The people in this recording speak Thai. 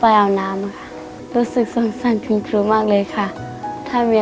ในแคมเปญพิเศษเกมต่อชีวิตโรงเรียนของหนู